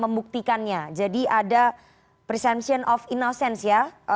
membuktikannya jadi ada presension of innocence ya